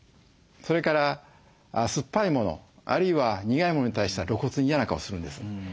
それから酸っぱいものあるいは苦いものに対しては露骨に嫌な顔するんです。